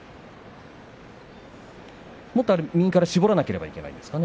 もっと右から絞らなければいけないですか？